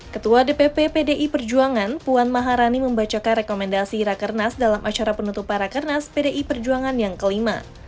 ketua dpp pdi perjuangan puan maharani membacakan rekomendasi rakernas dalam acara penutupan rakernas pdi perjuangan yang kelima